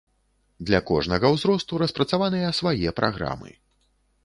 Для кожнага ўзросту распрацаваныя свае праграмы.